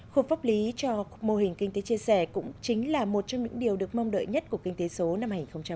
khu vực pháp lý cho mô hình kinh tế chia sẻ cũng chính là một trong những điều được mong đợi nhất của kinh tế số năm hai nghìn một mươi chín